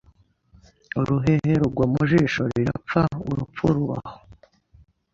uruhehe rugwa mu jisho rirapfa Urupfu ruba aho